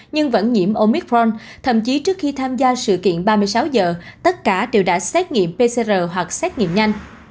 nhưng vẫn nhiễm omicron thậm chí trước khi tham gia sự kiện ba mươi sáu giờ tất cả đều đã xét nghiệm pcr hoặc xét nghiệm nhanh